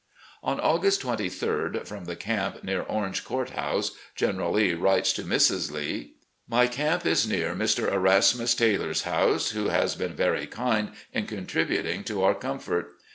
..." On August 23d, from the camp near Orange Qjiirt House, General Lee writes to Mrs. Lee: "... My camp is near Mr. Erasmus Taylor's house, who has been very kind in contributing to our comfort.